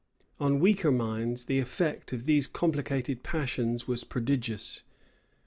On weaker minds, the effect of these complicated passions was prodigious.